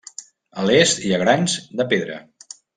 A l'est hi ha grans de pedra.